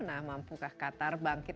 nah mampukah qatar bangkit